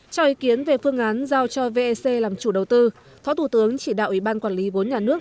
cho ý kiến về phương án giao cho vec làm chủ đầu tư thó thủ tướng chỉ đạo ủy ban quản lý vốn nhà nước